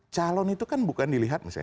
calon itu kan bukan dilihat misalnya